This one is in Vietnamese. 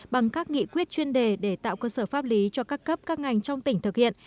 bằng các nghị quyết chuyên đề để tạo cơ sở pháp lý cho các cấp các ngành trong tỉnh thực hiện